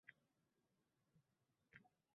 «Men hamma bolalar ulg’ayishini istayman»